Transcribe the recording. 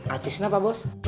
acisnya pak bos